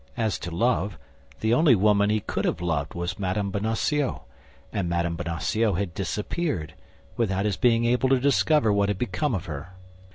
As to love, the only woman he could have loved was Mme. Bonacieux; and Mme. Bonacieux had disappeared, without his being able to discover what had become of her.